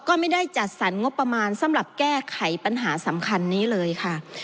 ก็ไม่ได้จัดสรรงบประมาณสำหรับแก้ไขปัญหาสำคัญนี้เลยค่ะ